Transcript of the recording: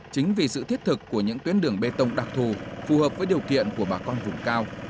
chính vì sự thiết thực của những tuyến đường bê tông đặc thù phù hợp với điều kiện của bà con vùng cao